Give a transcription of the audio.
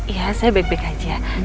ya saya bebek bek aja